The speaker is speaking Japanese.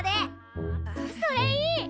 それいい！